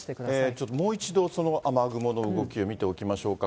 ちょっともう一度、その雨雲の動きを見ておきましょうか。